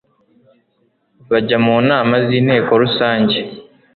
bajya mu nama z inteko rusange